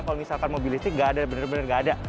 kalau misalkan mobil listrik gak ada bener bener gak ada